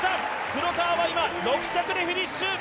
黒川は今６着でフィニッシュ！